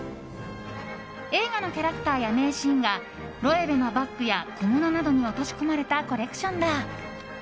映画のキャラクターや名シーンがロエベのバッグや小物などに落とし込まれたコレクションだ。